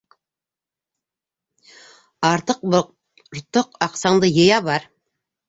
Артыҡ-бортоҡ аҡсаңды йыя бар.